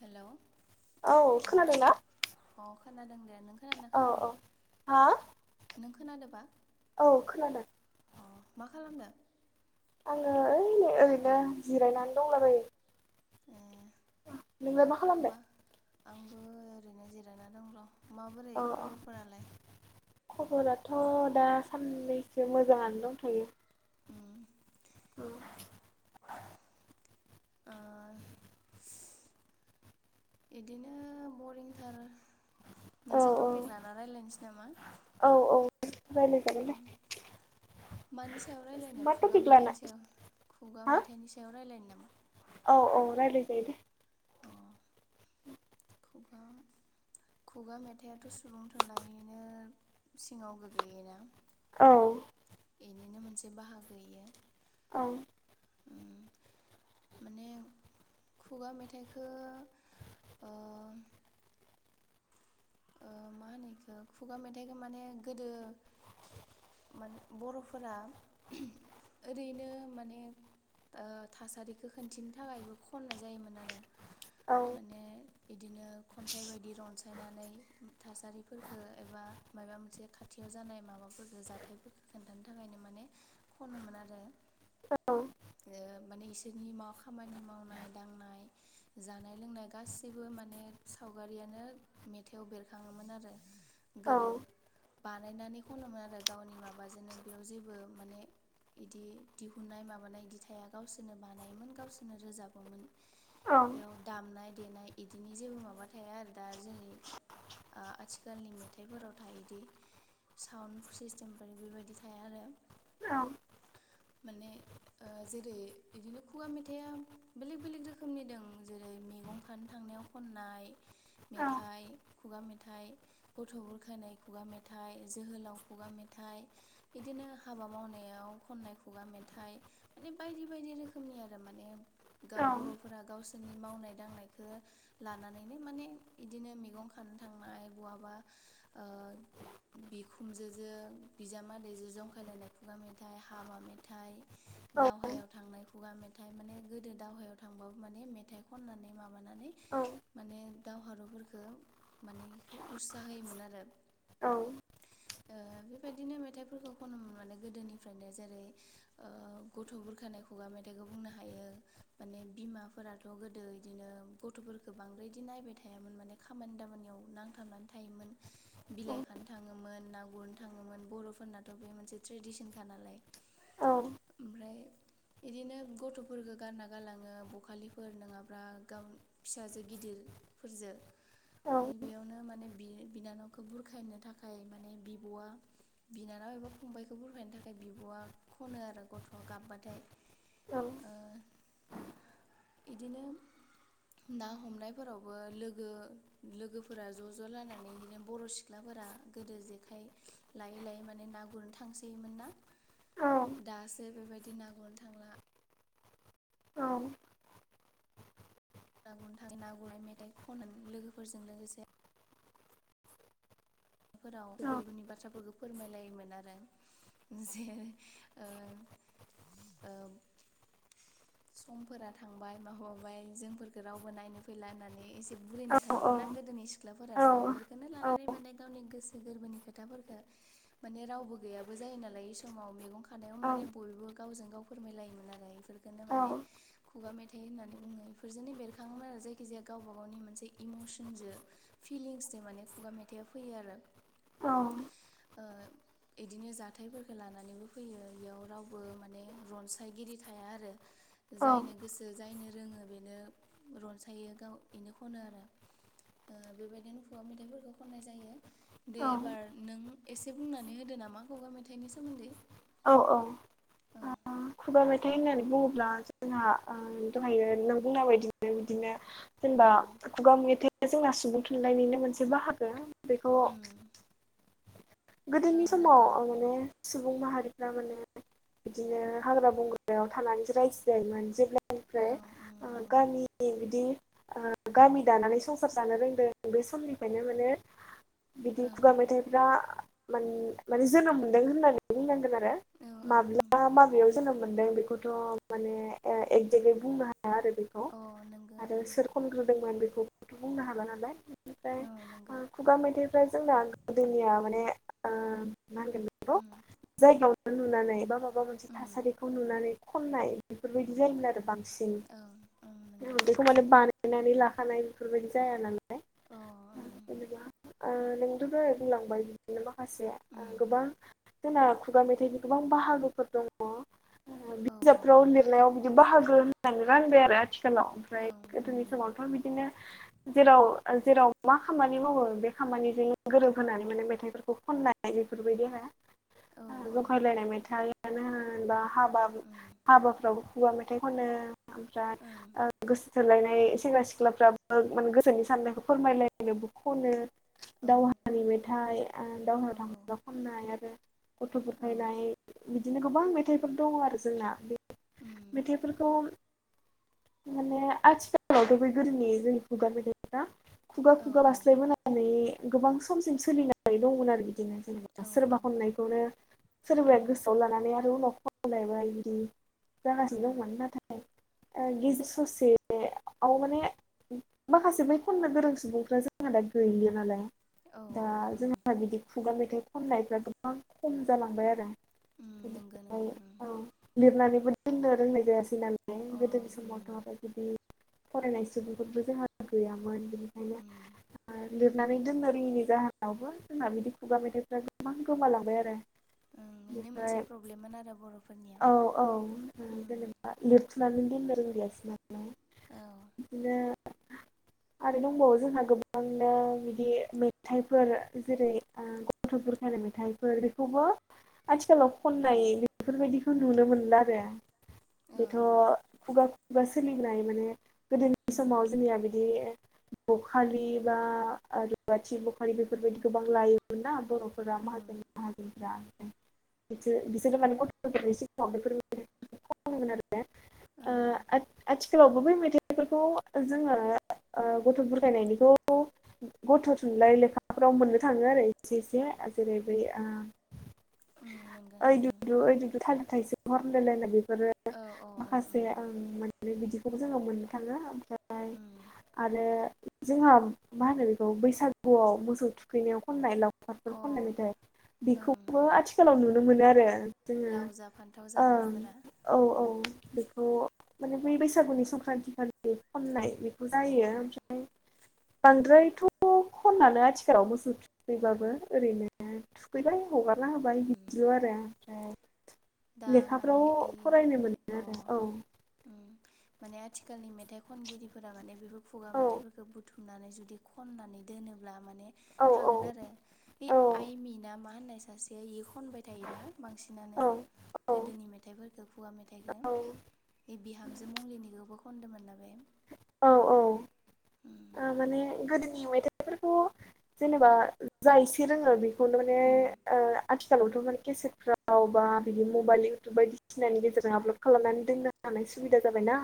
Hello औ अ खोनादोंना अ खोनादों दे नों खोनादोंना औ औ हा खोनादोबा औ खोनादों खालामदों आंङो ओइ ओरैनो जिरायनानै दंलाबायो ए नोंलाय मा खालामबाय आंबो ओरैनो जिरायना दं र' माबोरै अ खबरफोरालाय खबराथ दा साननै एसे मोजाङानो दं थायो उम औ ओ बिदिनो बरिंथार औ मोनसे टपिक लाना रायज्लायनोसै नामा रायलि ज मानि सायाव रायजलायनो खुगा मेथाइनि सायाव खुगा हा मेथाइनि सायाव रायज्लायनो नामा औ औ राय्लाय जायो दे खबा खुगा मेथाइआथ सुबुं थुनलाइनिनो सिङाव गोग्लैयोना औ बेनिनो मोनसे बाहागोयो औ उम माने खुगा मेथाइखो मा होनो बेखौ खुगा मेथाइखौो माने गोदो मान बर'फोरा ओरैनो माने थासारिखौ खिन्थिनो थाखायबो खननाय जायोमोन आरो औ माने बिदिनो खन्थाइ बायदि रनसायनानै थासारिफोरफोरखौ एबा माबा मोनसे खाथियाव जानाय माबाफोरफोरखौ जाथायफोरफोरखौ खिन्थानो थाखाय नो माने खनोमोन आरो औ मानि बिसोरनि मा खामानि मावनाय दांनाय जानाय लोंनाय गासिबो माने सावगारि मारियानो मेथाइआव बेरखाङोमोन आरो औ गोदो बानायनानै खनोमोन आरो गावनि माबाजोंनो बेयाव जेबो माने बिदि दिहुननाय माबानाय दिथाइआ गावसोरनो बानायोमोन गावसोरनो रोजाबोमोन औ बेयाव दामनाय देनाय बिदिनि जेबो माबा थाया आरो दा जेरै आथिखालनि मेथाइफोराव थायोदि साउन्ड सिस्टेमफोर बेबायदि थाया आरो माने जेरै बिदिनो खुगा मेथाइआ बेलेग बेलेग रोखोमनि दं जेरै मैगं खानो थांनायाव खननाय मेथाइ खुगा मेथाइ गथ' बुर खोनाय खुगा मेथाइ जोहोलाव खुगा मेथाइ बिदिनो बिदिनो हाबा मावनायाव खननाय खुगा मेथाइ माने बायदि बायदि रोखोमनि आरो माने बर'फोरा गावसोरनि मावनाय दांनायखौ लानानैनो माने बिदिनो मैगं खानो थांनाय बहाबा बिखुमजोजो बिजामादैजो जंखायलायनाय खुगा मेथाइ हाबा मेथाइ औ दावहायाव थांनाय खुगा मेथाइ माने गोदो दावहायाव थांबाबो माने मेथाइ खननानै माब माबानानै माने दावहारुफोरखौ माने बेखौ उत्सा होयोमोन आरो औ ओ बेबायदिनो मेथाइफोरखौ खनो मोन मनानै गोदोनिफ्रायनो जेरै गथ' बुरखानाय खुगा मेथाइ मेथाइखौ बुंनो हायो माने बिमाफोराथ' गोदो इदिनो गथ'फोरखौ बांद्राय इदि नायबाय थायो थायामोन खामानि दामानियाव नांथाबनानै थायोमोन बिलाइ खानो थाङोमोन ना गुरनो थाङोन बर'फोरनाथ' बे मोनसे मदिसिनखा नालाय ओमफ्राय बिदिनो गथ'फोरफोरखौ गानना गालाङो बखालिफोर नङाब्ला गाव फिसाजो गिदिर फोरजों ओमफ्राय बेयावनो माने बि बिनानावखौ बुरखायनो थाखाय माने बिब'आ बिनानाव एबा फंबायखौ बुरखायनो थाखाय बिब'आ खनो आरो गथ'आ गाबबाथाय औ ओ इदिनो ना हमनायफोरावबो लोगो लोगोफोरा ज' ज' लानानै बिदिनो बर' सिख्लाफोरा गोदो जेखाइ लायै लायै माने न ना गुरनो थांसैयोमोन ना दासो बेबायदि ना गुरनो थांला औ ना गुरनो थाखायाङ ना गुरनाय मेथाइ खन लोगोफोरजों लोगोसे बेफोराव गोरबोनि बाथ्राफोरखौ फोरमायलायोमोन आरो जे ओ समफोरा थांबाय माहरबाय जोंफोरखौ रावबो नायनो फैला होननानै म एसे औ बुरिना औ थायोमोन नना गोदोनि सिख्लाफोराथ' बेफोरखौननो लानानै माने गावनि गोसो गोरबोनि खोथाफोरफोरखौ माने रावबो गैयाबो जायो नालाय बे समाव मैगं हानायाव माले बयबो गावजों गाव फोरमायलायोमोन आरो बेफोरखौ नो माने खुगा मेथाइ होननानै बुङो बेफोरजोंनो बेरखाङोमोन आरो जायखि जाया गावबा गावनि मोनसे मसनजो फिलिंसजों माने खुगा मेथाइआ फैयो आरो औ ओ इदिनो जाथायफोरखौ लानानैबो फैयो इयाव रावबो माने रनसायगिरि थाया आरो जायनो मेथाइ गोसो जायनो रोङो बेनो रनसायो गाव इनो खनो आरो ओ बेबायदिनो खुगा मेथाइफोरखौ खननाय जायो दे एबार नों एसे बुंनानै होदो नामा खुगा मेथाइनि सोमोन्दै। औ औ ओ औ खुगा मेथ मेथाइ होननानै बुङोब्ला जोंहा ओ दहायो नों बुंनाय बायदिनो बिदिनो जेनेबा उम खुगा मेथाइया जोंना सुबुं थुनलाइनिनो मोनसे बाहागो। बेखौ उम औ गोदोनि समाव नोंगौ माने सुबुं माहारि फ्रा माने बिदिनो हाग्रा बंग्रायाव थानानैसो रायजो जायोमोन जेब्ला औ ओमफ्राय उम ओ नोंगौ गामि बिदि ओ गामि दानानै संसार जानो रोंदों बे समनिफ्रायनो माने बिदि औ खुगा मेथाइफ्रा मान-माने जोनोम मोनदों होननानै बुंनांगोन आर रो औ ओं माब्ला माबेयाव जोनोम मोनदों बेखौथ' माने एजेक्लि बुंनो हा हाया आरो बेखौ ओं अ नोंगौ आरो सोर खनग्रोदोंमोन बेखौथ' बुंनो हाला नालाय। ओं औ नोंगौ ओमफ्राय खुगा मेथाइफ्रा जोंना गोदोनिया माने ओ मा होनगोन बेखौ उम जायगायावनो नुनानै बा माबा मोनसे उम थासारिखौ नुनानै खननाय बेफोरबायदि जायोमोन आरो बांसिन ओं ओं नोंगौ बेखौ माने बाना यनानै लाखानाय बेफोरबायदि जाया नालाय अ ओं जेनेबा ओ नोंथ' दहय बुंलांबाय बिदिनो माखासे ओ उम गोबां जोंना खुगा मेथाइनि गोबां बाहागोफोर दङ औ औ बिजाबफ्राव लिरनायाव बि बाहागो होननानै रानबाय आरो आथिखालाव औ ओमफ्राय उम गोदोनि समावथ' बिदिनो जेराव ओ जेराव मा खामानि मावो बे खामानिजों गोरोब होनानै माने मेथाइफोर खौ खननाय बेफोरबायदि आरो। औ औ जंखायलायनाय मेथाइयानो होन बा हाबा उम हाबाफ्रावबो खुवा मेथाइ खनो ओमफ्राय ओं ओ गोसो थोलायनाय सेंग्रा-सिख्लाफ्राबो माने गोसोनि साननायखौ फोरमायलायनोबो खनो। औ दावहानि मेथाइ ओ औ दावहायाव थांबा औ खननाय आरो गथ' औ बुरखायनाय बिदिनो गोबां मेथाइफोर दङ आरो जोंना बे उम मेथाइफोरखौ माने आथिखालावथ' बे गोदोनि जोंनि खुगा मेथाइफ्रा खुगा औ खुगा बास्लायबोनानै गोबां समसिम सोलिनानै दंमोन आरो बिदिनो। औ सोरबा औ खननायखौनो सोरबाया उम गोसोआव लानानै आरो उनाव खनलायबा बिदिनो उम जागासिनो दंमोन नाथाय ओ गेजेर ससे औ माने माखासे बै खननो गोरों सुबुंफ्रा जोंहा दा गैला नालाय। औ औ दा ओ। जोंहा बिदि खुगा मेथाइ खननायफ्रा गोबां खम जालांबाय आरो। उम नोंगो बेनिफ्राय नोंगो उम औ लिरनानैबो दोननो रोंनाय जायासै नालाय। अ गोदोनि उम समावथ' बिदि फरायनाय सुबुंफोरबो जोंहा गैयामोन। उम बेनिखायनो लिरनानै दोननो रोङैनि जाहोन आवबो जोंना बिदि खुगा मेथाइफ्रा गोबां गोमालांबाय आरो। ओं बेनो बेनिफ्राय मोनसे प्रब्लेममोन आरो। बर'फोरनिया औ औ उम जेनेबा लिरथुमनानै दोननो रोंदियासै नालाय। औ बिदिनो आरो दंबावो जोंहा गोबांनो बिदि मेथाइ फोर। जेरै ओ गथ' बुरखायनाय मेथाइफोर बेखौबो आथिखालाव उम खननाय बेफोरबायदिखौ नुनो मोनला आरो। औ बेथ' ओं खुगा खुगा सोलिबोनाय माने गोदोनि उम समाव जोंनिया बिदि बखालि बा रुवाथि बे फोरबायदि बेफोरबायदिखौ गोबां लायोमोन ना बर'फोरा ओं माहाजोन माहाजोनफोरा‌। बिसोर बिसोरो माने गथ' [unintelligible] ओ ओं आथ-आथि थिखालावबो बै मेथाइफोरखौ जोङो ओ गथ' बुरखायनायनिखौ गथ' थुनलाइ लेखा हाफोराव मोननो थांङो आरो एसे एसे जेरै बै ओ उम नोंगो ओइ नोंगो दुदु ओइ दुदु थालिर थाइसे हर होनलाय लायनाय बि बेफोरो औ औ ओं माखासे उम मोनो बिदिखौबो जोङो मोननो थांङो ओमफ्राय ओमफ्राय उम आरो जोंहा मा होनो बेखौ बैसागुआव मोसौ थुखैनायाव खननाय लावखारफोर अ खननाय मेथायाइ ओं बेखौबो आथिखालाव नुनो मोनो आरो जोङो लाव जा फान्थाव जा ओं होननायफोरा औ उम औ बेखौ माने बै बैसागुनि संक्रान्थि खालि खननाय बेखौ उम जायो ओमफ्राय बांद्रायथ खनानो आथिखालाव मोसौ उम थुखैबाबो ओरैनो थुखैबाय हगारना होबाय उम बिदि ल आरो ओमफ्राय दा लेखाफ्राव माने फरायनो ई मोनो अ आरो औ माने आथिखालनि मे मेथाइ खनगिरिफोरा माने बेफोर खुगा मेथाइफोरखौ बुथुमनानै जुदि खननानै दोनोब्ला औ औ [inaudible] खनबाय थायोना औ बांसिनानो औ गोदोनि मेथाइफोरखौ खुवा मेथाइखो औ बे बिहामजो मंलिनि खो खौबो खनदोंमोन ना बे औ औ उम ओ माने गोदोनि मेथाइफोरखौ जेनेबा जाय एसे रोङो बे [unintelligible] उम थ माने केसेटफ्राव बा बिदि मबाइल इउटुब बायदिसिनानि गेजेरजों आपलड खालामनानै दोननो हानाय सुबिदा जाबायना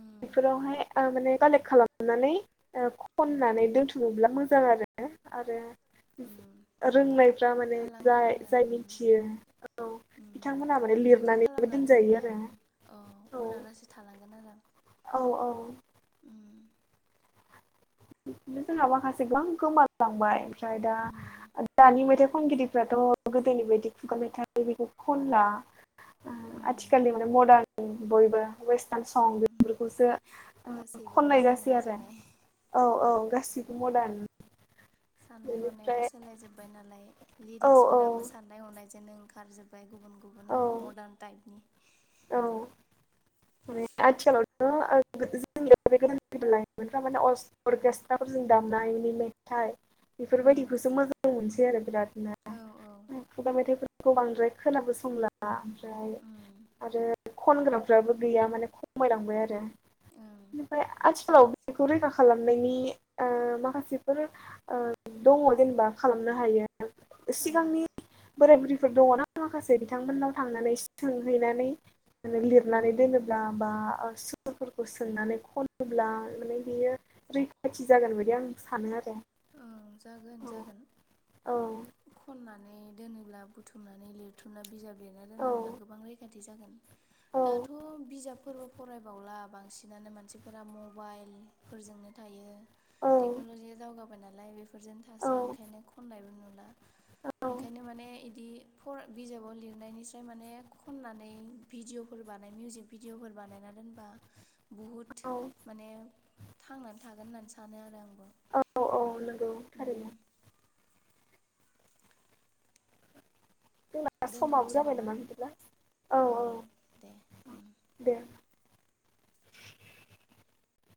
उम बेफोरावहाय माने कालेक्ट खालामनानै औ खननानै दोनथुमोब्ला मोजां आरो आरो उम रोंनायफ्रा माने थालांगोन जाय आरो जाय उम मिथियो औ माने बिथांमोनहा माने बिदि लिरनानैबो खालामना दोनजायो दोनबा आरो अ उनलासे थालांगोन आरो औ औ उम जोंहा माखासे गोबां गोमालांबाय ओमफ्राय दा उम दानि मेथाइ खनगि ओ उम आथिखालनि माने मदार्न बयबो वेस्टार्न सं उम बेफोरखौसो गासैबो खननाय मदार्न जासै आरो जाजोब्बाय औ गासिबो मदार्न साननाय हनायावो बेनिफ्राय सोलाय जोब्बाय नालाय औ औ लिरिक्सफोराबो साननाय हनायजोंनो ओंखारजोब्बाय गुबुन गुबुन औ मदार्न टाइपनि [unintelligible] [unintelligible] उम बेफोरबायदिखौसो मोजां मोनसै आरो बिरादनो औ औ खुगा मेथाइफोर खौ बांद्राय खोनाबो संला ओमफ्राय उम आरो खनग्राफ्राबो गैया माने खमायलांबाय आरो ओं बेनिफ्राय आथिखालाव बेखौ रैखा खालामनायनि ओ माखासेफोर दंङ जेनेबा खालामनो हायो औ सिगांनि बोराय बुरै फोर दंङ ना माखासे बिथांमोननाव थांनानै सोंहैनानै उम लिरनानै उम दोनोब्ला बा ओ सुरफोर खौ सोंनानै खनोब्ला माने बेयो रैखाथि जागोन बायदि आं सानो आरो औ जागोन जागोन औ खननानै बेहाय दोनोब्ला बुथुमनानै लिरथुमना बिजाब लिरना औ दोनोब्ला गोबां रैखाथि जागोन औ दाथ बिजाब फोरबो फरायबावला बांसिनानो मानसिफोरा मबाइल फोरजोंनो थायो औ टेक्नलजिया दावगाबाय नालाय बेफोरजोंनो औ थासै ओंखायनो खननायबो नुला औ ओंखायनो माने बिदि फ बिजाबाव लिरनायनिस्राय माने खननानै भिडिअफोर बानाय मिउजिक भिडिअफोर बानायना दोनबा बहुद माने थांनानै थागोन होननानै सानो आरो आंबो नोंगौ उम थारैनो। जोंना समाबो जाबाय नामा बिदिब्ला औ औ दे उम। दे। [unintelligible]